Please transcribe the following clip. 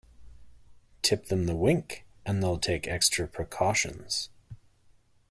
Tip them the wink, and they’ll take extra precautions.